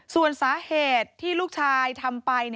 ส่วนสาเหตุที่ลูกชายทำไป